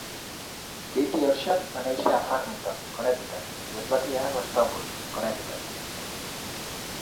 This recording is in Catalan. Katie Orscher va néixer a Farmington, Connecticut i es va criar a Glastonbury, Connecticut.